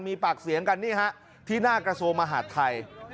มีปากเสียงกันนี่ฮะที่หน้ากระทรวงมหาดไทย